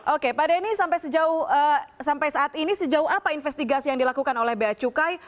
oke pak denny sampai saat ini sejauh apa investigasi yang dilakukan oleh bea cukai